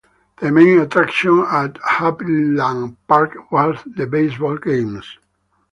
The main attraction at Happyland Park was the baseball games.